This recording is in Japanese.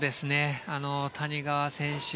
谷川選手